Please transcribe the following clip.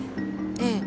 ええ。